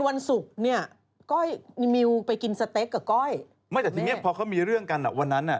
แต่ที่เนี่ยพอเค้ามีเรื่องกันอ่ะวันนั้นอ่ะ